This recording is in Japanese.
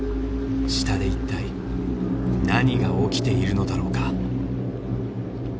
下で一体何が起きているのだろうか？